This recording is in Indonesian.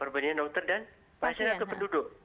perbandingan dokter dan pasien atau penduduk